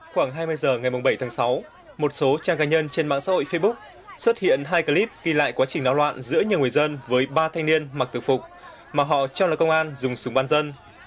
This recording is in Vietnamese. khoảng hai mươi h ngày bảy tháng sáu một số trang cá nhân trên mạng xã hội facebook xuất hiện hai clip ghi lại quá trình náo loạn giữa nhiều người dân với ba thanh niên mặc từ phục mà họ cho là công an dùng súng bán dân